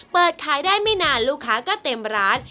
เปิดขายได้ไม่นานลูกค้าก็เต็มร้าน